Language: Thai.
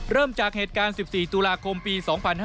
เริ่มจากเหตุการณ์๑๔ตุลาคมปี๒๕๕๙